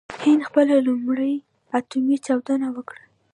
هند خپله لومړۍ اټومي چاودنه وکړه.